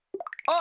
あ！